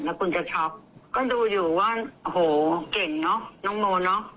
แล้วคุณจะช็อกก็ดูอยู่ว่าโอ้โหเก่งเนอะน้องโนเนอะ